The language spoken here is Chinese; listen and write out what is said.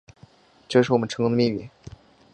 这是我们成功的秘密